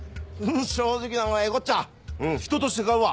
正直なんはええこっちゃうん人として買うわ。